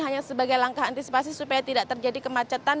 hanya sebagai langkah antisipasi supaya tidak terjadi kemacetan